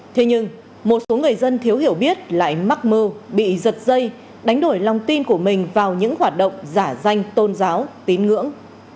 thế nhưng một số người dân thiếu hiểu biết lại mắc mơ bị giật dây đánh đổi lòng tin của mình vào những hoạt động giả danh tôn giáo tín ngưỡng